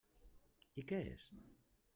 I què és?